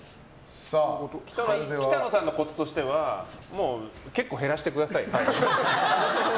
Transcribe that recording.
北乃さんのコツとしては結構減らしてください。